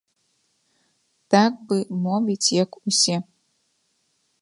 Так бы мовіць, як усе.